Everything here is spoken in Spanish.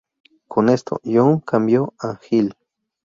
Con esto, Young cambió a Heel.